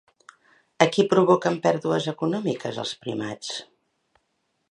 A qui provoquen pèrdues econòmiques els primats?